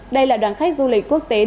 đây là đoàn khách du lịch quốc tế đầu tiên